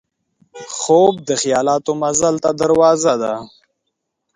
خوب د خیالاتو مزل ته دروازه ده